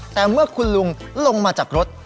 แต่เมื่อคุณลุงลงมาจากรถ